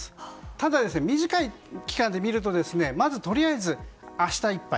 ただ、短い期間で見るとまず、とりあえず明日いっぱい。